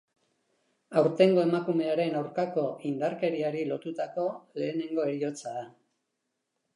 Aurtengo emakumearen aurkako indarkeriari lotutako lehenengo heriotza da.